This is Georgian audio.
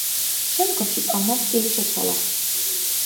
შემდგომში პალმამ სტილი შეცვალა.